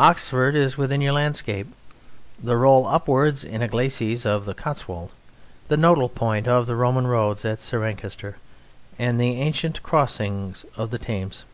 Oxford is within your landscape. The roll upwards in a glacis of the Cotswold, the nodal point of the Roman roads at Cirencester, and the ancient crossings of the Thames.